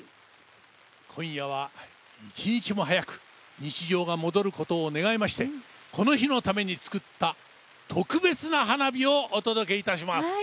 今夜は１日も早く日常が戻ることを願いまして、この日のために作った特別な花火をお届けいたします。